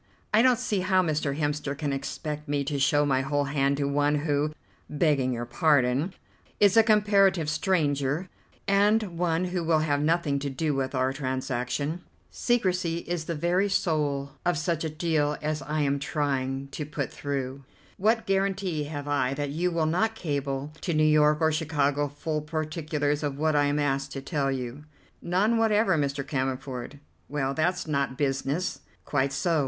I don't see how Mr. Hemster can expect me to show my whole hand to one who, begging your pardon, is a comparative stranger, and one who will have nothing to do with our transaction. Secrecy is the very soul of such a deal as I am trying to put through. What guarantee have I that you will not cable to New York or Chicago full particulars of what I am asked to tell you." "None whatever, Mr. Cammerford." "Well, that's not business." "Quite so.